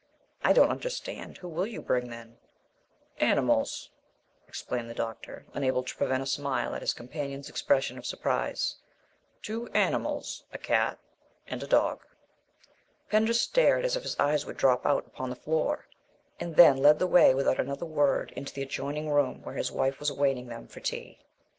"I don't understand. Who will you bring, then?" "Animals," explained the doctor, unable to prevent a smile at his companion's expression of surprise "two animals, a cat and a dog." Pender stared as if his eyes would drop out upon the floor, and then led the way without another word into the adjoining room where his wife was awaiting them for tea.